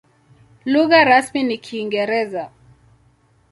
Lugha rasmi ni Kiingereza.